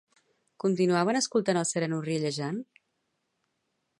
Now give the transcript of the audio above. Continuaven escoltant al sereno riallejant?